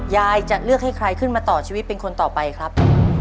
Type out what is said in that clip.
ยายจะเลือกให้ใครขึ้นมาต่อชีวิตเป็นคนต่อไปครับ